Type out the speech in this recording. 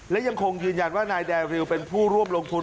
และยังคงยืนยันว่านายแดริวเป็นผู้ร่วมลงทุน